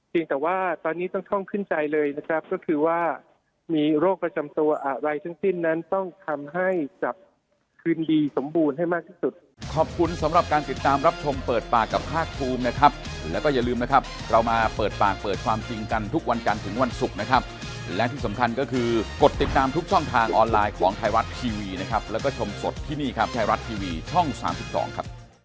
จริงแต่ว่าตอนนี้ต้องท่องขึ้นใจเลยนะครับก็คือว่ามีโรคประจำตัวอะไรทั้งสิ้นนั้นต้องทำให้จับครีมดีสมบูรณ์ให้มากที่สุด